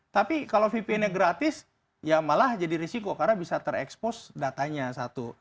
tapi kalau vpn nya gratis ya malah jadi risiko karena bisa terekspos datanya satu